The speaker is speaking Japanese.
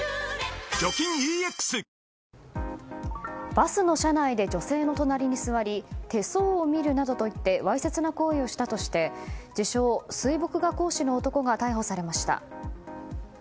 バスの車内で女性の隣に座り手相を見るなどと言ってわいせつな行為をしたとして自称水墨画講師の男が逮捕されました。